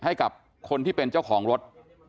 ให้กับคนที่เป็นเจ้าของรถ